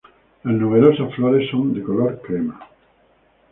Las numerosas flores son de color crema.